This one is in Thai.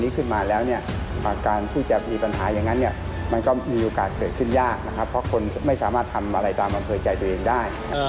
ขึ้นยากนะครับเพราะคนไม่สามารถทำอะไรตามความเผยใจตัวเองได้